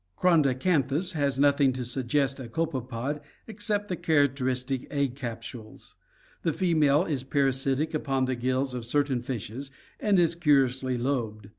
Ckrondracanthus (Fig. 4S,B) has nothing to suggest a copepod ex cept the characteristic egg capsules. The female is parasitic upon the gills of certain fishes and is curiously lobed.